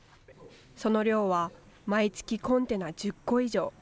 その量は毎月コンテナ１０個以上。